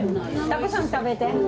たくさん食べて。